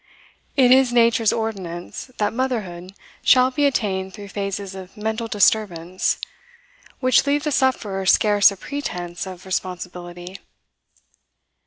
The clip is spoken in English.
It is Nature's ordinance that motherhood shall be attained through phases of mental disturbance, which leave the sufferer scarce a pretence of responsibility.